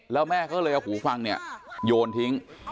แล้วแม่ก็เลยเอาหูฟังเนี่ยโยนทิ้ง